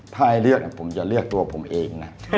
ถ้าให้เรียกผมจะเรียกตัวผมเองนะ